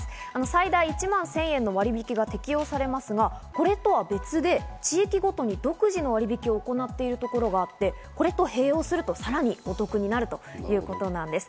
最大１万１０００円の割引が適用されますが、これとは別で、地域ごとに独自の割引を行っているところがあって、これと併用すると、さらにお得になるということなんです。